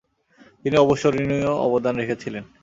তিনি অবিস্মরণীয় অবদান রেখেছিলেন।